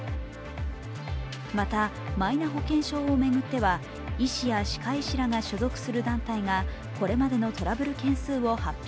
また、マイナ保険証を巡っては、医師や歯科医師らが所属する団体がこれまでのトラブル件数を発表。